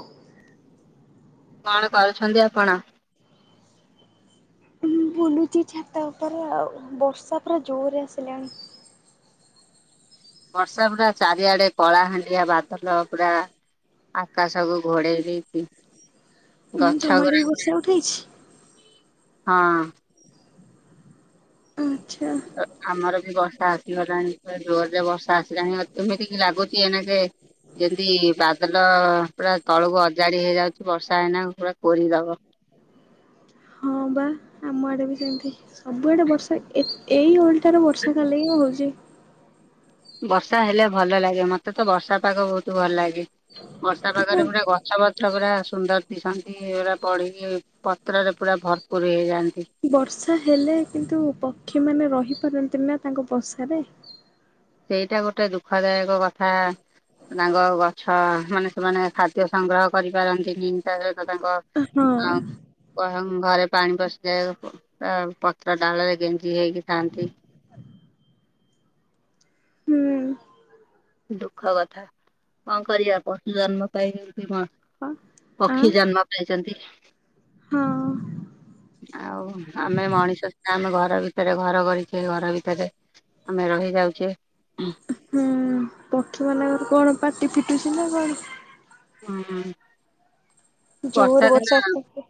ହଁ। କଣ କରୁଛନ୍ତି ଆପଣ? ମୁଁ ବୁଲୁଚି ଛାତ ଉପରେ ଆଉ ବର୍ଷା ପୁରା ଜୋରରେ ଆସିଲାଣି। ବର୍ଷା ପୁରା ଚାରିଆଡେ କଳା ହାଣ୍ଡିଆ ବାଦଲ ପୁରା ଆକାଶକୁୁ ଘୋଡେଇ ଦେଇଛି ହୁଁ ତମ ଗଛ ଆଡ଼େ ବି ଗୁଡା ବର୍ଷା ଉଠେଇଛି? ହଁ। ଆଚ୍ଛା ଆମର ବର୍ଷା ଆସିଗଲାଣି ଜୋରରେ ବର୍ଷା ଆସିଲାଣି ଏମିତିକି ଲାଗୁଛି ଏକେ ଯେମିତି ବାଦଲ ପୁରା ତଳକୁ ଅଜାଡି ହେଇଯାଉଛି ବର୍ଷା ହେଇନା ପୁରା କୋରି ଦବ ହଁ। ହଁ ବା ଆମ ଆଡେ ବି ସେମିତି ସବୁଆଡେ ବର୍ଷା ଏଇ ଓଲଟାରେ ବର୍ଷା କାଲେ ହିଁ ହଉଛି ବର୍ଷା ହେଲେ ଭଲ ଲାଗେ ମତେ ତ ବର୍ଷା ପାଗ ବହୁତ ଭଲ ଲାଗେ। ବର୍ଷା ପାାଗରେ ଗୋଟେ ଗଛ ପୁରା ସୁନ୍ଦର ଦିଶନ୍ତି ପୁରା ପଢି଼କି ପତ୍ରରେ ପୁରା ଭରପୁର ହେଇଯାଆନ୍ତି। ବର୍ଷା ହେଲେ କିନ୍ତୁ ପକ୍ଷୀ ମାନ ରହି ପାରନ୍ତି ନା ତାଙ୍କ ବଷାରେ ସେଇଟା ଗୋଟେ ଦୁଃଖଦାୟକ କଥା। ତାଙ୍କ ଗଛ ମାନେ ସେମାନେ ଖାଦ୍ୟ ସଂଗ୍ରହ କରିପାରନ୍ତିନି ତା ସହିତ ତାଙ୍କ ହଁ ହ କହ ଘରେ ପାଣି ପଶିଯାଏ ପତ୍ର ଡାଳ ରେ ଗେଞ୍ଜି ହେଇକି ଥାଆନ୍ତି। ହୁଁ ଦୁଃଖ କଥା କଣ କରିବା ପୁର୍ନଜନ୍ମ ପାଇ କି ମା ଆ ପକ୍ଷୀ ଜନ୍ମ ପାଇଛନ୍ତି। ହଁ। ଆଉ ଆମେ ମଣିଷ ଆମେ ଘର ଭିତରେ ଘର କରିଛେ ଘର ଭିତରେ ଆମେ ରହି ଯାଉଛେ ପକ୍ଷୀ ମାନଙ୍କର କଣ ପାଟି ପିଟୁଛି ନା କଣ? ହୁଁ ଜୋରେ ବର୍ଷା ଦିନ ହଁ ଆସିଛି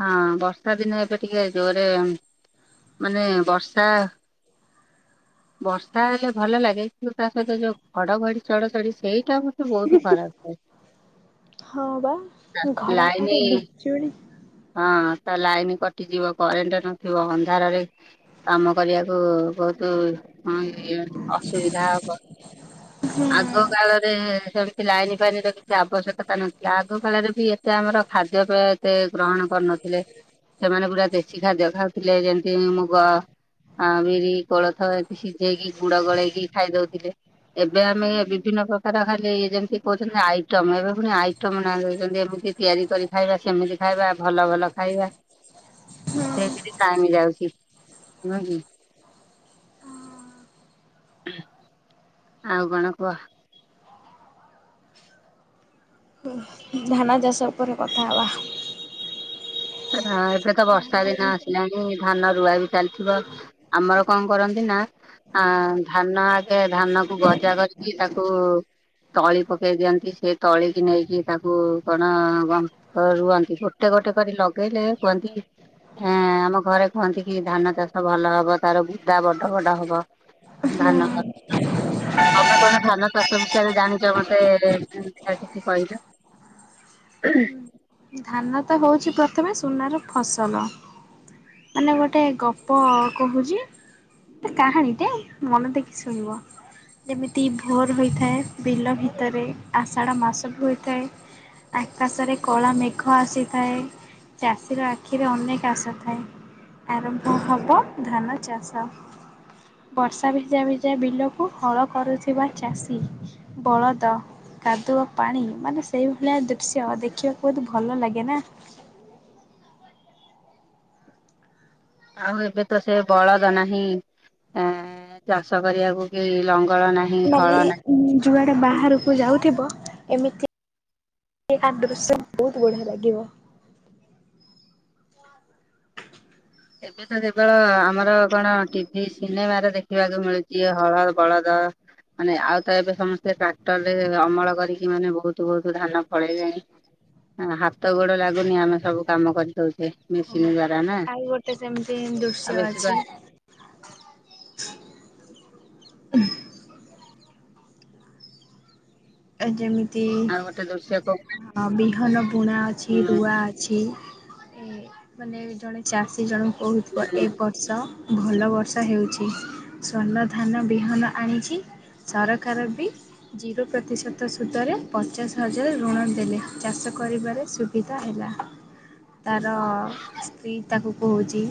ବର୍ଷ ବର୍ଷା ଦିନ ଏବେ ଟିକେ ଜୋରେ ମାନେ ବର୍ଷା ବର୍ଷା ହେଲେ ଭଲ ଲାଗେ କି ତା ସହିତ ଯୋଉ ଘଡଘଡି ଚଢଚଢ଼ି ସେଇଟା ହଉଛି ବହୁତ ଖରାପ। ହଁ ବା ଲାଇନି ଘଡ଼ଘଡ଼ି ବିଜୁଳି ହ ହଁ ତ ଲାଇନ କଟିଯିବ କରେଣ୍ଟ ନଥିବ ଅନ୍ଧାରରେ କାମ କରିବାକୁ ବହୁତ ହ ହଁଇ ଅସୁବିଧା ହବ ହୁଁ। ଆଗ କାଳରେ ସେମିତି ଲାଇନ ପାଇନ୍ ର କିଛି ଆବଶ୍ୟକତା ନଥିଲା। ଆଗ କାଳରେ ବି ଏତେ ଆମର ଖାଦ୍ୟ ପେୟ ଏତେ ଗ୍ରହଣ କରୁନଥିଲେ। ସେମାନେ ପୁରା ଦେଶୀ ଖାଦ୍ୟ ଖାଉଥିଲେ, ଯେମତି ମୁଗ ଆଉ ବିରି କୋଳଥ ଏ ସିଝେଇକି ଗୁଡ ଗଳେଇକି ଖାଇ ଦଉଥିଲେ। ଏବେ ଆମେ ବିଭିନ୍ନ ପ୍ରକାର ଖାଲି ଯେମିତି କହୁଚନ୍ତି ଆଇଟମ ଏବେ ପୁଣି ଆଇଟମ ଉଛନ୍ତି ଏମିତି ତିଆରି କରି ଖାଇବା ସେମିତି ଖାଇବା ଭଲ ଭଲ ଖାଇବା। ସେଇଥିରେ ଟାଇମ ଯାଉଚି ନୁହ କି? ହ। ଆଉ କଣ କୁହ? ଧାନ ଚାଷ ଉପରେ କଥା ହେବା। ଏବେ ତ ବର୍ଷା ଦିନ ଆସିଲାଣି ଧାନ ରୁଆ ବି ଚାଲିଥିବ ଆମର କଣ କରନ୍ତି ନା ଧାନ ଆଗେ ଧାନ କୁ ଗଜା କରିକି ତାକୁ ତଳି ପକେଇ ଦିଅନ୍ତି ସେ ତଳି କିି ନେଇକି ତାକୁ କଣ ତ ରୁଅନ୍ତି ଗୋଟେ କ ଗୋଟେ କରି ଲଗେଇଲେ କୁହନ୍ତି ହୁଁ ଆମ ଘରେ କୁହନ୍ତି କି ଧାନ ଚାଷ ଭଲ ହବ ତାର ଗୁଦା ବଡ ବଡ ହବ। ଧାନ ହଁ। ତମେ କଣ ଧାନ ଚାଷ ବିଷୟରେ ଜାଣିଚ ମତେ ଏମତି ଟିକେ କହିଲ। ଧାନ ତ ହଉଚି ପ୍ରଥମେ ସୁନାର ଫସଲ। ମାନେ ଗୋଟେ ଗପ କହୁଚି। କାହାଣୀଟେ ମନ ଦେଇକି ଶୁଣିବ। ଯେମିତି ଭୋର ହୋଇଥାଏ ବିଲ ଭିତରେ ଆଷାଢ଼ ମାସ ବି ହୋଇଥାଏ। ଆକାଶରେ କଳା ମେ ଆଖ ଆସିଥାଏ ଚାଷୀର ଆଖିରେ ଅନେକ ଆଶା ଥାଏ। ଆରମ୍ଭ ହବ ଧାନ ଚାଷ । ବର୍ଷା ଭିଜା ଭିଜା ବିଲକୁ ହଳ କରୁଥିବା ଚାଷୀ ବଳଦ କାଦୁଅ ପାଣି ମାନେ ସେଇଭଳିଆ ଦୃଶ୍ୟ ଦେଖିବାକୁ ବହୁତ ଭଲ ଲାଗେ ନା। ଆଉ ଏବେ ତ ସେ ବଳଦ ନାହିଁ ଏ ଚାଷ କରିବାକୁ କି ଲଙ୍ଗ ଲଙ୍ଗଳ ନାହିଁ ହଳ ନାହିଁ। ଯୁଆଡ଼େ ବାହାରକୁ ଯାଉଥିବ ଏମିତି ଏବେକା ଦୃଶ୍ୟ ବହୁତ ବଢ଼ିଆ ଲାଗିବ। ଏବେ ତ କେବଳ ଆମର କଣ ଟିଭି ସିନେମାରେ ଦେଖିବାକୁ ମିଳୁଚି ହଳ ବଳଦ। ମାନେ ଆଉ ତ ଏବେ ସମସ୍ତେ ଟ୍ରାକ୍ଟର ରେ ଅମଳ କରିକି ମାନେ ବହୁତ ବହୁତ ଧାନ ଫଳେଇଲେଣି। ହ ହାତ ଗୋଡ ଲାଗୁନି ଆମେ ସବୁ କାମ କରିଦଉଚେ ମେସିନ୍ ଦ୍ଵାରା ନା। ଏତ ସେମିତି ଆଉ ଦୃଶ୍ୟ ବେଶୀ ଅଛି। [inaudible] ଆ ଯେମିତି ଆଉ ଗୋଟେ ଦୃଶ୍ୟ କ ବି ବିହନ ବୁଣା ଅଛି ରୁଆ ଅଛି। ଏ ମାନେ ଜଣେ ଚାଷୀ ଜଣ କହୁଥିବ ଏ ବର୍ଷ ଭଲ ବର୍ଷା ହେଉଚି ଶ୍ୱର୍ଣ୍ଣ ଧାନ ବିହନ ଆଣିଛି। ସରକାର ବି ଜିରୋ ପ୍ରତିଶତ ସୁତରେ ପଚାଶ ହଜାର ଋଣ ଦେଲେ, ଚାଷ କରିବାରେ ସୁବିଧା ହେଲା। ତାର ସ୍ତ୍ରୀ ତାକୁ କହୁଚି।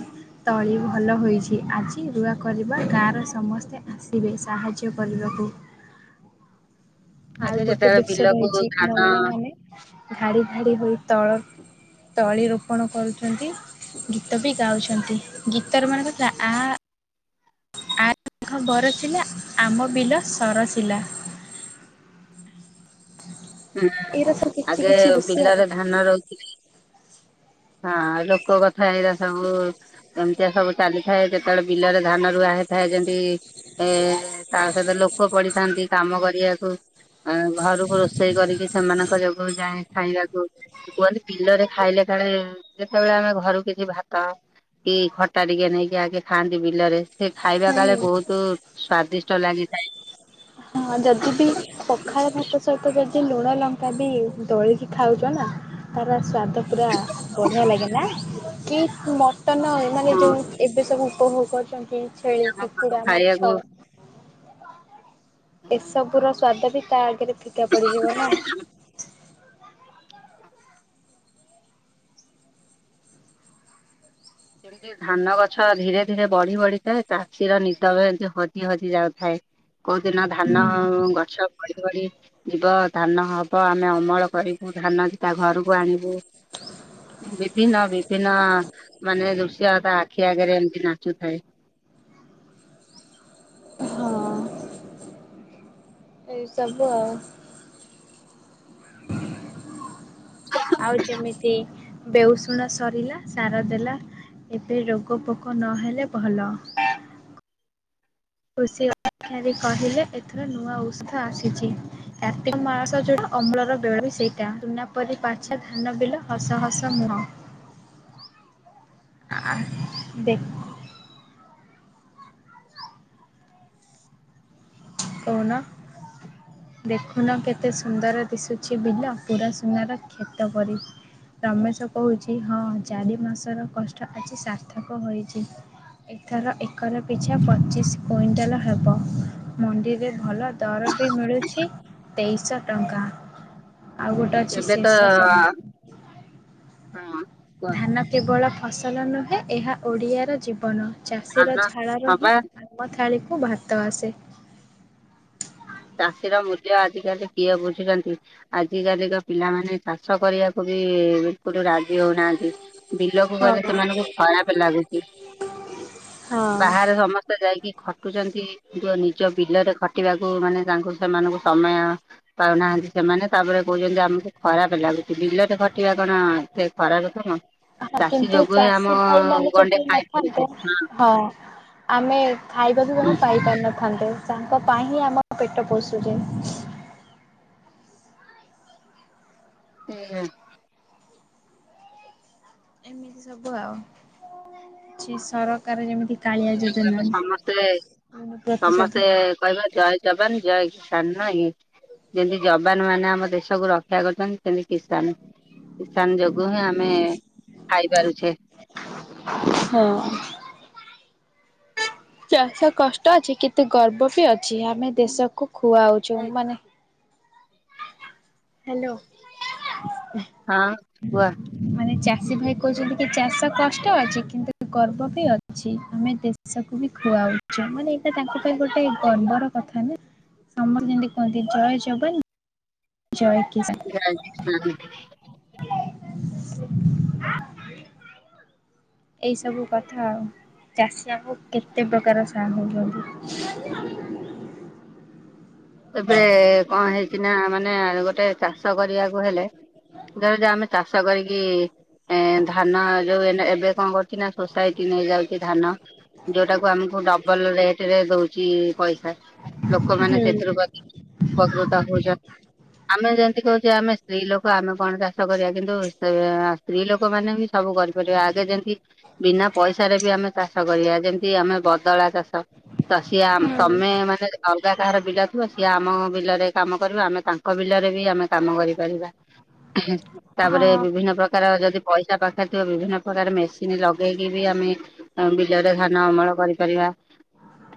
ତଳି ଭଲ ହୋଇଚି ଆଜି ରୁଆ କରିବା, ଗାଁର ସମସ୍ତେ ଆସିବେ ସାହାଯ୍ୟ କରିବାକୁ। କୁ। ଆଗେ ଆଉ ଗୋଟେ ଯେତେବେଳେ ଦୃଶ୍ୟ ବିଲକୁ ରହିଚି ଧାନ ମହିଳା ମାନେ ଧାଡି ଭାଡି ହୋଇ ତଳ ତଳି ରୋପଣ କରୁଚନ୍ତି, ଗୀତ ବି ଗାଉଛନ୍ତି ଗୀତର ମାନେ ଯୋଉଟା ଆ ଘ ବରଷିଲା ଆମ ବିଲ ସରସିଲା। ହୁଁ ଏଇରା ସବୁ କିଛି ଆଗେ କିଛି ଦୃଶ୍ୟ ବିଲରେ ଧାନ ରୋଇ ଥିଲି। ହଁ ଲୋକ କଥା ଏଇରା ସବୁ ଏମିତିଆ ସବୁ ଚାଲିଥାଏ ଯେତେବେଳେ ବିଲରେ ଧାନ ରୁଆ ହଏ। ଥାଏ ଯେମିତି ଏ-ଏ-ଏ ତା ସହିତ ଲୋକ ପଡିିଥାନ୍ତି କାମ କରିବାକୁ ଆ ଘରକୁ ରୋଷେ ସେମାନଙ୍କ ଯୋଗୁ ଯାଏଁ ଖାଇବାକୁ କୁଅନ୍ତି। ବିଲରେ ଖାଇଲେ କାଳେ ଯେତେବେଳେ ଆମେ ଘରୁ କିଛି ଭାତ କି ଖଟା ଟିକେ ନେଇକି ଆଗେ ଖାଆନ୍ତି ବିଲରେ ସେ ଖାଇବା କାଳେ ହୁଁ ବହୁତୁ ସ୍ଵାଦିଷ୍ ଟ ଲାଗିଥାଏ । ହଁ ଯଦି ବି ପଖାଳ ଭାତ ସହିତ ଯଦି ଲୁଣ ଲଙ୍କା ବି ଦଳିକି ଖାଉଚ଼ ନା ତାର ସ୍ଵା ଦ ପୁରା ବଢିଆ ଲାଗେ ନା। କି ମଟନ ଏମାନେ ହଁ ଯୋଉ ଏବେ ସବୁ କୋହଉ କରୁଚ଼ନ୍ତି ଛେଳି, ଆମ ଘରୁ କୁକୁଡ଼ା, ମାଛ ଖାଇବାକୁ ଏ ସବୁର ସ୍ଵାଦ ବି ତା ଆଗରେ ଫିକା ପଡିଯିବ ନା । ଏମିତି ଧାନ ଗଛ ଧୀରେ ଧୀରେ ବଢି ବଢିଥାଏ। ଚାଷୀର ନିଦ ବେ ଏମତି ହଜି ହଜି ଯାଉଥାଏ । କୋଉ ଦିନ ହୁଁ। ଧାନ-ଅ-ଅ ଗଛ ବଢି ବଢି ଯିବ ଧାନ ହବ ଆମ୍ ମେ ଅମଳ କରିବୁ ଧାନ ତା ଘରକୁ ଆଣିବୁ । ବିଭିନ୍ନ ବିଭିନ୍ନ ମାନେ ଦୃଶ୍ୟ ତା ଆଖି ଆଗରେ ଏମିତି ନାଚୁଥାଏ । ହଁ । ଏଇସବୁ ଆଉ । ଆଉ ଯେମିତି ବେଉଷୁଣା ସରିଲା ସାର ଦେଲା ଏବେ ରୋଗ ପୋକ ନହେଲେ ଭଲ । ଖୁସି ଅ ଠାରୀ କହିଲେ ଏଥର ନୂଆ ଔଷଧ ଆସିଛି । କାର୍ତ୍ତିକ ମାସ ଯୋଉଟା ଅମ୍ଳର ବେଳ ସେଇଟା ରୁନା ପରି ପାଛେ ଧାନ ବିଲ ହସ ହସ ମୁହଁ । ଆ ଦେ କହୁନ ଦେଖୁନ କେତେ ସୁନ୍ଦର ଦିଶୁଛି ବିଲ ପୁରା ସୁନାର କ୍ଷେତ ପରି । ରମେଶ କହୁଚ଼ି ହଁ ଚାରି ମାସର କଷ୍ଟ ଆଜି ସାର୍ଥକ ହୋଇଛି । ଏଥର ଏକର ପିଛା ପଚିଶ୍ କୁଇଣ୍ଟାଲ ହେବ। ମଣ୍ଡିରେ ଭଲ ଦର ବି ମିଳୁଛି ତେଇଶଅ ଟଙ୍କା । ଆଉ ଗୋଟେ ଅଛି ଏବେ ତ ଶେଷ ସମ୍ ହଁ ଧାନ କେବଳ ଫସଲ ନୁହେଁ ଏହା ଓଡ଼ିଆର ଜୀବନ । ଚାଷୀର ଧାନ ଝାଳ ରେ ହଁ ହିଁ ବା ଆମ ଥାଳିକୁ ଭାତ ଆସେ । ଚାଷୀର ମୂଲ୍ୟ ଆଜିକାଲି କିଏ ବୁଝୁଚନ୍ତି ଆଜିକାଲିିର ପିଲାମାନେ ଚାଷ କରିଆକୁ ବି [unintelligible] ରାଜି ହଉନାହାନ୍ତି ବିଲକୁ ହଁ, ଗଲେ ସେମାନଙ୍କୁ ଖରାପ ଲାଗୁଚ଼ି । ହଁ। ବାହାରେ ସମସ୍ତେ ଯାଇକି ଖଟୁଚ଼ନ୍ତି କିନ୍ତୁ ନିଜ ବିଲରେ ଖଟିବାକୁ ମାନେ ତାଙ୍କୁ ସେମାନଙ୍କୁ ସମୟ ପାଉନାହାନ୍ତି ସେମାନେ ତାପରେ କହୁଚ଼ନ୍ତି ଯେ ଆମକୁ ଖରାପ ଲାଗୁ ସି ବିଲରେ ଖଟିବା କଣ ଏତେ ଖରାପେ କାମ? ଆହା ଚାଷୀ କିନ୍ତୁ ଯୋଗୁ ହିଁ ଆମ ଚାଷୀ ଭାଇ ମାନେ ଗଣ୍ଡେ ଯଦି ଖାଇ ପଡୁଛେ ନଥାନ୍ତେ । ହଁ ଆମେ ଖାଇବାକୁ ହଁ। କଣ ପାଇପାରିନଥାନ୍ତେ । ତାଙ୍କ ପାଇଁ ହିଁ ଆମ ପେଟ ପୋଷୁଚ଼ି । ହୁମ। ଏମିତି ସବୁ ଆଉ ଛି ସରକାର ଯେମିତି କାଳିଆ ସେଇଯୋଗୁ ଯୋଜନା ଆମେ ଋଣ ସମସ୍ତେ ପ୍ରତିଶୋଧ ସମସ୍ତେ କହିବା ଜୟ ଯବାନ ଜୟ କିଶାନ । ନାକି ଯେମିତି ଯବାନ ମାନେ ଆମ ଦେଶକୁ ରକ୍ଷା କରିଚନ୍ ସେମିତି କିଷାନ କିଷାନ ଯୋଗୁ ହିଁ ଆମେ ଖାଇପାରୁଛେ । ହଁ । ଚାଷ କଷ୍ଟ ଅଛି କିନ୍ତୁ ଗର୍ବ ବି ଅଛି ଆମେ ଦେଶକୁ ଖୁଆଉଚୁ ମାନେ ହ୍ୟାଲୋ [inaudible] ହଁ କୁହ । ମାନେ ଚାଷୀ ଭାଇ କହୁଛନ୍ତି କି ଚାଷ କଷ୍ଟ ଅଛି କିନ୍ତୁ ଗର୍ବ ବି ଅଛି ଆମେ ଦେଶକୁ ବି ଖୁଆଉଚୁ । ମାନେ ଏଇଟା ତାଙ୍କ ପାଇଁ ଗୋଟେ ଗର୍ବର କଥା ନା ଆମର ଯେମିତି କୁହନ୍ତି ଜୟ ଜବାନ ଜୟ [unintelligible] ଏଇ ସବୁ କଥା ଆଉ। ଚାଷୀ ଆମକୁ କେତେ ପ୍ରକାର ସାହା ହଉଛନ୍ତି। ଏବେ କଣ ହେଇକିନା ମାନେ ଗୋଟେ ଚାଷ କରିବାକୁ ହେଲେ ଧର ଯେ ଆମେ ଚାଷ କରିକି ଏ ଧାନ ଯୋଉ ଏବେ କଣ କରୁଛି ନା ସୋସାଇଟି ନେଇଯାଉଛି ଧାନ ଯୋଉଟାକୁ ଆମେ ଡବଲ ରେଟ ରେ ଦଉଛି ପଇସା ଲୋକମାନେ ହୁଁ ସେଥିରୁ ବା ଉପକୃତ ହଉଛନ୍ତି ଆମେ ଯେମତି କହୁଛେ ଆମେ ସ୍ତ୍ରୀ ଲୋକ ଆମେ କଣ ଚାଷ କରିବା କିନ୍ତୁ ସେ ସ୍ତ୍ରୀ ଲୋକ ଲୋକମାନେ ବି ସବୁ କରିପାରିବେ ଆଗେ ଯେମତି ବିନା ପଇସାରେ ବି ଆମେ ଚାଷ କରିବା ଯେମତି ଆମେ ବଦଳା ଚାଷ ତ ସିଏ ତମେ ମାନେ ଅଲଗା କାହାର ବିଲ ଥିବ ସିଏ ଆମ ବିଲରେ କାମ କରିବ ଆମେ ତାଙ୍କ ବିଲରେ ବି ଆମେ କାମ କରିପାରିବା। ତାପରେ ହଁ ବିଭିନ୍ନ ପ୍ରକାର ଯ ଯଦି ପଇସା ପାଖରେ ଥିବା ବିଭିନ୍ନ ପ୍ରକାର ମେସିନ ଲଗେଇକି ବି ଆମେ ବିଲରେ ଧାନ ଅମଳ କରିପାରିବା। ହୁଁ।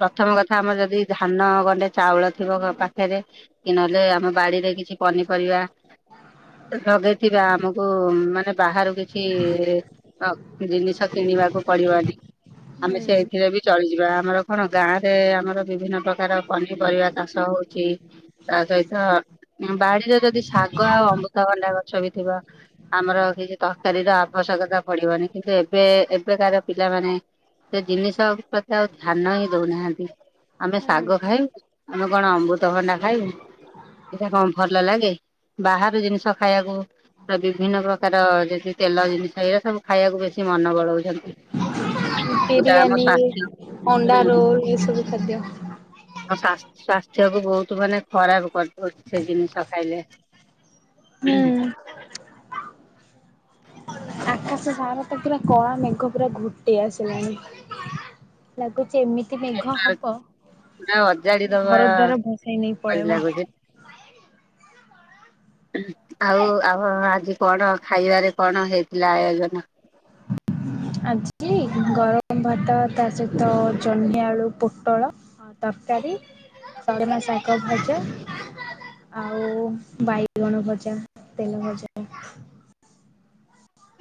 ପ୍ରଥମ କଥା ଆମର ଯଦି ଧାନ ଗଣ୍ଡେ ଚାଉଳ ଥିବ ପାଖରେ କି ନହେଲେ ଆମ ବାଡିରେ କିଛି ପନିପରିବା ଲଗେଇଥିବା ଆମକୁ ମାନେ ବାହାରୁ କିଛି ଜିନିଷ କିଣ କିଣିବାକୁ ପଡିବନି। ଆମେ ସେଇଥିରେ ବି ଚଳିଯିବା ଆମର କଣ ଗାଁ ରେ ଆମର ବିଭିନ୍ନ ପ୍ରକାର ପନିପରିବା ଚାଷ ହଉଛି ତା ସହିତ ବାଡି ଯଦି ଶାଗ ଆଉ ଅମୃତ ଭଣ୍ଡା ଗ ଗଛ ବି ଥିବ ଆମର କିଛି ତରକାରୀର ଆବଶ୍ୟକତା ପଡିବନି କିନ୍ତୁ ଏବେ ଏବେକାର ପିଲା ସେ ମାନେ ସେ ଜିନିଷ ପ୍ରତି ଆଉ ଧ୍ୟାନ ହିଁ ଦଉନାହାନ୍ତି। ଆମେ ଶାଗ ହୁଁ। ଖାଇବୁ ଆମେ କଣ ଅମୃତଭଣ୍ଡା ଖାଇବୁ ଏଇଟା କଣ ଭଲ ଲାଗେ? ବାହାରୁ ଜିନିଷ ଖାଇବାକୁ ବିଭିନ୍ନ ପ୍ରକାର ଯଦି ତେଲ ଜିନିଷ ଏଇ ସବୁ ଖାଇବାକୁ ବେଶୀ ମନ ବଳଉଛନ୍ତି। ଯୋଉଟା ଆମ ବିରିୟାନୀ ସ୍ୱାସ୍ଥ୍ୟ ଅଣ୍ଡା ରୋଲ୍ ଏ ସବୁ ଖାଦ୍ୟ। ଆମ ସ୍ୱାସ୍ଥ୍ୟକୁ ବହୁତ ମାନେ ଖରାପ ସେ ଜିନିଷ ଖାଇଲେ। ହୁଁ। ଆକାଶ ସାରଟା ପୁରା କଳା ମେଘ ପୁରା ଘୁଟି ଆସିଲାଣି ଲାଗୁଛି ଏମିତି ମେଘ ହବ ପୁରା ଅଜାଡି ଦବା ଘର ଦ୍ଵାର ଭସେଇ ନେଇ ପରି ପଳେଇବ। ଲାଗୁଛି ହୁଁ ଆଉ ଆଉ ଆଜି କଣ ଖାଇବାରେ କଣ ହେଇଥିଲା ଆୟୋଜନ? [inaudible] ଆଜି ଗରମ ଭାତ ତା ସହିତ ଜହ୍ନି ଆଳୁ ପୋଟଳ ତରକାରୀ ସଜନା ଶାଗ ଭଜା ଆଉ ବାଇଗଣ ଭଜା, ତେଲ ଭଜା।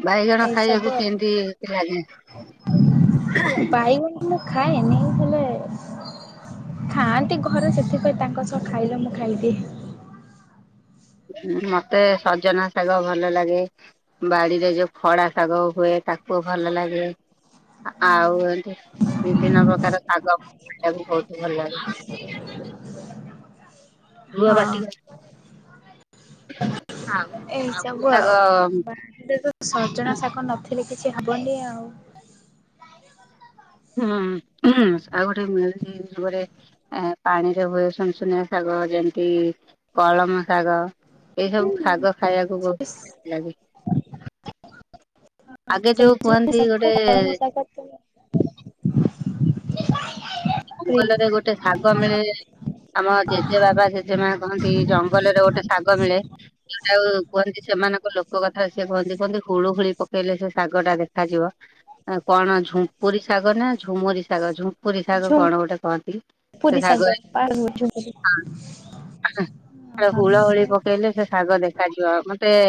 ବାଇଗଣ ଖାଇବାକୁ ଏଇସବୁ କେମିନ୍ତି ଲାଗେ? ଆଉ ବାଇଗଣ ମୁଁ ଖାଏନି ହେଲେ ଖାଆନ୍ତି ଘରେ ସେଥିପାଇଁ ତାଙ୍କ ସହ ଖାଇଲେ ମୁଁ ଖାଇଦିଏ। ମତେ ସଜନା ଶାଗ ଭଲ ଲାଗେ ବାଡିରେ ଯୋଉ ଖଡ଼ା ଶାଗ ହୁଏ ତା କୁ ଭଲ ଲାଗେ ଆଉ ଏଠି ବିଭିନ୍ନ ପ୍ରକାର ଶାଗ ତାକୁ ବହୁତ ଭଲ ଲାଗେ। ରୁଆ ହଁ ବାଟି ଏଇସବୁ ଆଉ ବାଡ଼ିରେ ତ ସଜନା ଶାଗ ନଥିଲେ କି କିଛି ହବନି ଆଉ। ହୁଁ ଆଉ ଗୋଟେ ମି ଗୋଟେ ପାଣିରେ ହୁଏ ସୁନ୍ ସୁନିଆ ଶାଗ ଶ ଯେମିତି କଳମ ଶାଗ ଏଇସବୁ ଶାଗ ଖାଇବାକୁ ବହୁତ ଲାଗେ। ଆଗେ ଯୋଉ କୁହନ୍ତି ଗୋଟେ [unintelligible] ପ୍ରିୟ। ଜଙ୍ଗଲରେ ଗୋଟେ ଶାଗ ମିଳେ ଆମ ଜେଜେ ବାବା ଜେଜେ ମା କହନ୍ତି ଜଙ୍ଗଲରେ ଗୋଟେ ଶାଗ ମିଳେ ଯୋଉଟାକୁ କୁହନ୍ତି ସେ ସେମାନଙ୍କ ଲୋକ ଙ୍କ କଥାରେ ସେ କହନ୍ତି କୁହନ୍ତି ହୁଳୁ ହୁଳି ପକେଇଲେ ସେ ଶାଗ ଟା ଦେଖାଯିବ ଅଁ କଣ ଅ ଝୁମ୍ପୁରି ଶାଗ ନା ଝୁମୁରି ଶାଗ ଝୁମ୍ପୁରି ଶାଗ କଣ ଗୋଟେ କହନ୍ତି ସେ ଝୁମ୍ପୁରି ଶାଗ ପାଳଙ୍ଗ ଝୁମ୍ପୁରି। ଖାଆନ୍ତି। କାଳେ ହୁଳହୁଳି ଓହୋ। ପକେଇଲେ ସେ ଶାଗ ଦେଖାଯିବ ମତେ